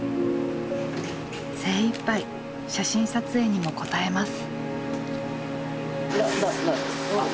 精いっぱい写真撮影にも応えます。